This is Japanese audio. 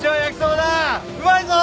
うまいぞ！